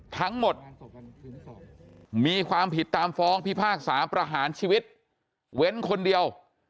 ทั้งหมดมีความผิดตามฟ้องพิพากษาประหารชีวิตเว้นคนเดียว